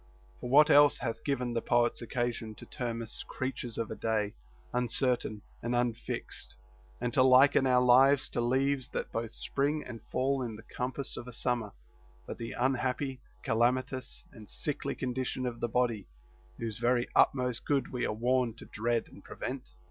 For what else hath given the poets occasion to term us creatures of a day, uncertain and unfixed, and to liken our lives to leaves that both spring and fall in the compass of a summer, but the unhappy, calamitous, and sickly condition of the body, whose very utmost good we are warned to dread and prevent?